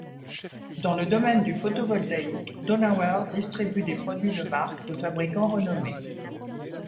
Dans le domaine du photovoltaïque, Donauer distribue des produits de marques de fabricants renommés.